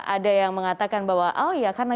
ada yang mengatakan bahwa oh ya karena